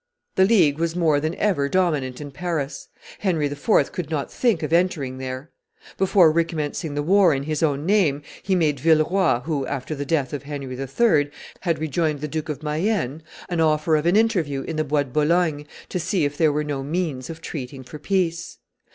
The League was more than ever dominant in Paris; Henry IV. could not think of entering there. Before recommencing the war in his own name, he made Villeroi, who, after the death of Henry III., had rejoined the Duke of Mayenne, an offer of an interview in the Bois de Boulogne to see if there were no means of treating for peace.